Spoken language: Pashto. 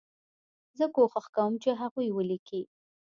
زه کوښښ کوم چې هغوی ولیکي.